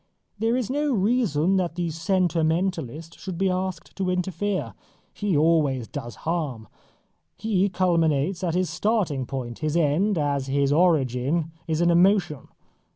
There is no reason that the sentimentalist should be asked to interfere. He always does harm. He culminates at his starting point. His end, as his origin, is an emotion.